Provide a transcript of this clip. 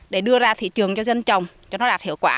để đưa ra thị trường cho dân trồng cho nó đạt hiệu quả